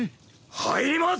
入ります！